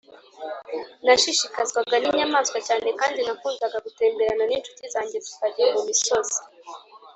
Nashishikazwaga n inyamaswa cyane kandi nakundaga gutemberana n inshuti zange tukajya mu misozi